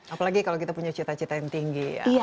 apalagi kalau kita punya cita cita yang tinggi ya